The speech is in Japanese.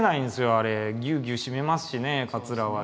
あれぎゅうぎゅう締めますしねかつらはね。